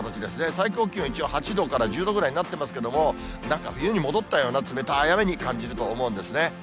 最高気温、一応８度から１０度ぐらいになっていますけれども、なんか、冬に戻ったような冷たい雨に感じると思うんですね。